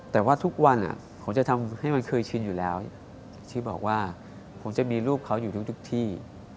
แต่ว่าทุกวันผมจะทำให้มันเคยชินอยู่แล้วที่บอกว่าผมจะมีลูกเขาอยู่ทุกที่